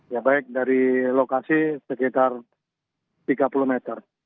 ya baik dari lokasi sekitar tiga puluh meter